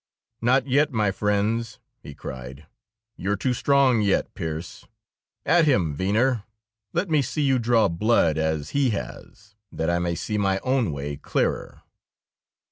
"Not yet, my friends!" he cried. "You're too strong yet, Pearse. At him, Venner; let me see you draw blood as he has, that I may see my own way clearer."